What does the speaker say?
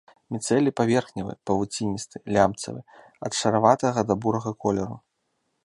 Міцэлій паверхневы, павуціністы, лямцавы, ад шараватага да бурага колеру.